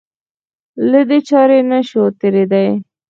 له دې چارې نه شو تېرېدای.